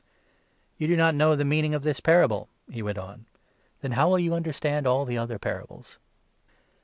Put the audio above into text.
You do not know the meaning of this parable !" he went 13 on; "then how will you understand all the other para bles?